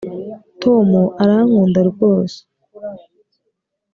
tom arankunda rwose